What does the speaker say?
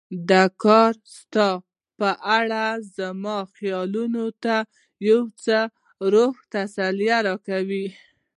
دې کار ستا په اړه زما خیالونو ته یو څه روحي تسل راکړ.